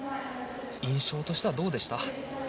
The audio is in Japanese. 印象としてはどうでしたか？